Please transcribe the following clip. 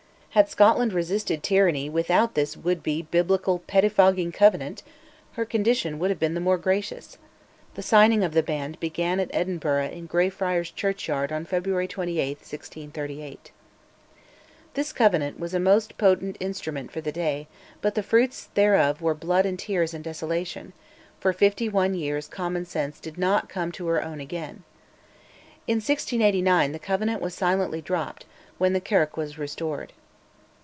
Had Scotland resisted tyranny without this would be biblical pettifogging Covenant, her condition would have been the more gracious. The signing of the band began at Edinburgh in Greyfriars' Churchyard on February 28, 1638. This Covenant was a most potent instrument for the day, but the fruits thereof were blood and tears and desolation: for fifty one years common sense did not come to her own again. In 1689 the Covenant was silently dropped, when the Kirk was restored.